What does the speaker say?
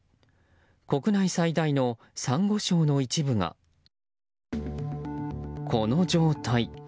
国内最大のサンゴ礁の一部がこの状態。